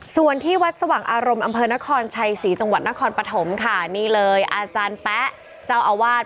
ส่วนที่วัดสว่างอารมณ์อำเภอนครชัยศรีจังหวัดนครปฐมค่ะนี่เลยอาจารย์แป๊ะเจ้าอาวาส